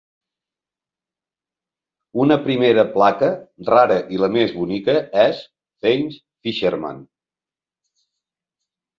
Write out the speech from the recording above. Una primera placa, rara i la més bonica és "Thames Fisherman".